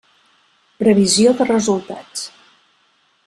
Previsió de resultats.